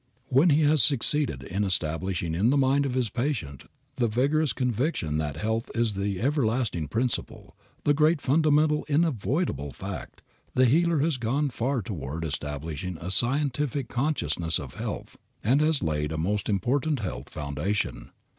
When he has succeeded in establishing in the mind of his patient the vigorous conviction that health is the everlasting principle, the great fundamental inviolable fact, the healer has gone far toward establishing a scientific consciousness of health, and has laid a most important health foundation.